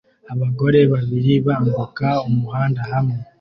Abagore babiri bambuka umuhanda hamwe